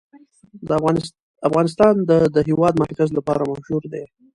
افغانستان د د هېواد مرکز لپاره مشهور دی.